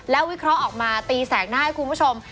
แล้ววิเคราะห์ออกมาตีแสกหน้าให้คุณผู้ชม